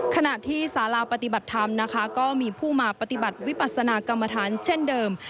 ขณะที่สาราปฏิบัติธรรมนะคะก็มีผู้มาปฏิบัติวิปัสนากรรมฐานเช่นเดิม